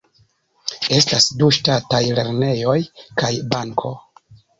Estas du ŝtataj lernejoj kaj banko.